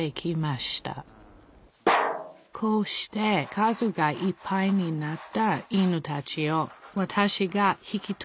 こうして数がいっぱいになった犬たちをわたしが引き取ることにしました